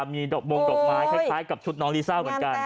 มีดอกบงดอกไม้คล้ายกับชุดน้องลิซ่าเหมือนกัน